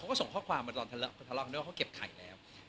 ก็ส่งข้อความมาตอนทะเลาะกันด้วยว่าเขาเก็บไข่แล้ว